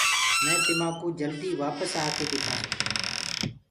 مي جلدي تمآڪو وآپس آڪي دِکآسونٚ۔